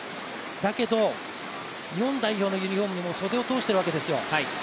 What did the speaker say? だけど、日本代表のユニフォームに袖を通しているわけですよ。